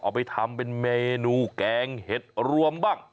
เอาไปทำเป็นเมนูแกงเห็ดรวมบ้าง